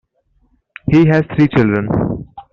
He has three children.